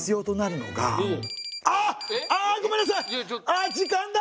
あ時間だ。